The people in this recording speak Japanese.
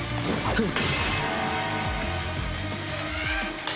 フッ！